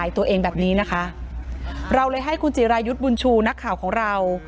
พคจิรายุบุญชูนักข่าวของเรา